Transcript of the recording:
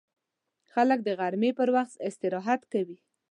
خلک د غرمې پر وخت استراحت کوي